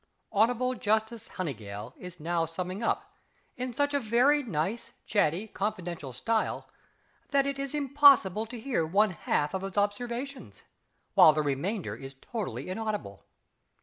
Hon'ble Justice HONEYGALL is now summing up, in such very nice, chatty, confidential style that it is impossible to hear one half of his observations, while the remainder is totally inaudible....